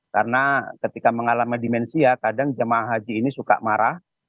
karena ketika mengalami demensia kadang jemaah haji ini suka marah